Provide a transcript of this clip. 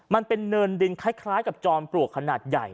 มันเป็นเนินดินคล้ายกับจอมปลวกขนาดใหญ่